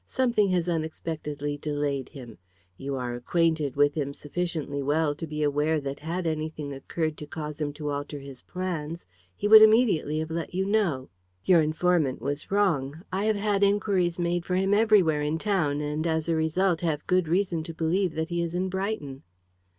Something has unexpectedly delayed him. You are acquainted with him sufficiently well to be aware that had anything occurred to cause him to alter his plans, he would immediately have let you know. Your informant was wrong. I have had inquiries made for him everywhere in town, and as a result have good reason to believe that he is in Brighton."